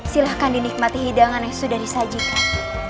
silahkan dinikmati hidangan yang sudah disajikan